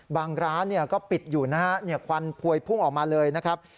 ร้านก็ปิดอยู่นะฮะควันพวยพุ่งออกมาเลยนะครับ